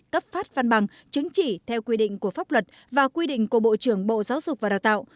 cấp phát văn bằng chứng chỉ theo quy định của pháp luật và quy định của bộ trưởng bộ giáo dục và đào tạo